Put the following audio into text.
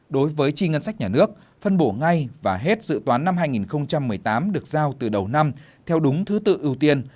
đối với chi ngân sách nhà nước phân bổ ngay và hết dự toán năm hai nghìn một mươi tám được giao từ đầu năm theo đúng thứ tự ưu tiên